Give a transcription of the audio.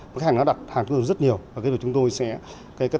khách hàng đã đặt hàng chúng tôi rất nhiều